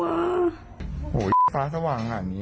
โอ้โฮยิ้วฟ้าสว่างอ่ะนี่